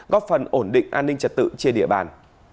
góp phần ổn định an ninh trật tự trên địa bàn